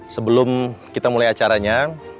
sebelum kita mulai acaranya